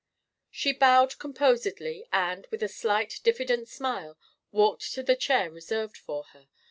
She bowed composedly and, with a slight diffident smile, walked to the chair reserved for her.